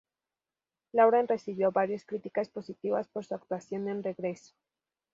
Lauren recibió varias críticas positivas por su actuación en Regreso.